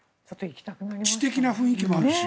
知的な雰囲気もあるし。